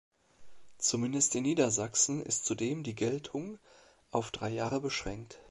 Zumindest in Niedersachsen ist zudem die Geltung auf drei Jahre beschränkt.